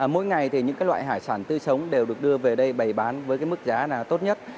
mỗi ngày thì những loại hải sản tươi sống đều được đưa về đây bày bán với mức giá tốt nhất